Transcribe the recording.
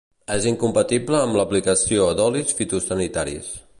És incompatible amb l'aplicació d'olis fitosanitaris.